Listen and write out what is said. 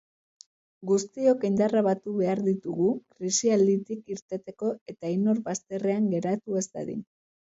Guztiok indarrak batu behar ditugu krisialditik irteteko eta inor bazterrean geratu ez dadin.